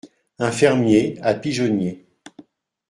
Un fermier , à pigeonnier.